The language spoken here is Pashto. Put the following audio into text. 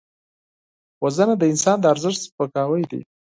وژنه د انسان د ارزښت سپکاوی دی